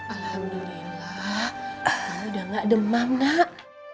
alhamdulillah udah gak demam nak